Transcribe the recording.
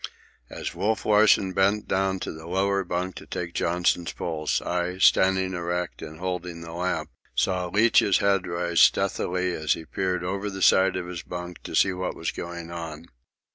As Wolf Larsen bent down to the lower bunk to take Johnson's pulse, I, standing erect and holding the lamp, saw Leach's head rise stealthily as he peered over the side of his bunk to see what was going on.